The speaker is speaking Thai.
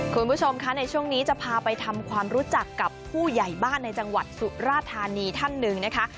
คุณผู้ชมคะในช่วงนี้จะพาไปทำความรู้จักกับผู้ใหญ่บ้านในจังหวัดสุราธานีท่านหนึ่งนะคะ